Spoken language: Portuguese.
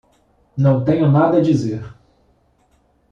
Não tenho nada a dizer.